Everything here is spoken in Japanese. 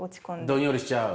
どんよりしちゃう？